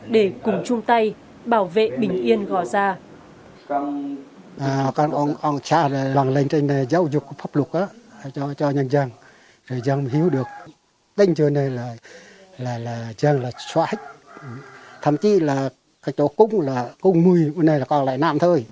để cùng chung tay bảo vệ bình yên gò gia